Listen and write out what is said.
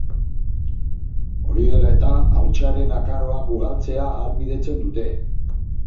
Hori dela eta, hautsaren akaroak ugaltzea ahalbidetzen dute.